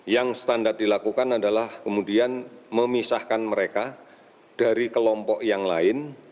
yang standar dilakukan adalah kemudian memisahkan mereka dari kelompok yang lain